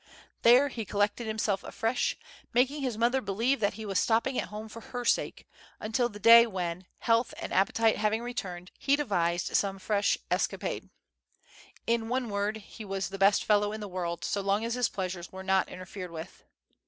There he collected himself FREDERIC. 117 afresli, makiiag his mother believe that he was stopping at home for her sake, until the day when, health and appetite having returned, he devised some fresh esca pade. In one word, he was the best fellow in the world, so long as his pleasures were not interfered Avith.